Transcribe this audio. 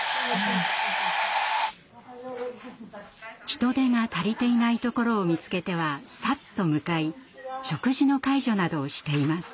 人手が足りていないところを見つけてはさっと向かい食事の介助などをしています。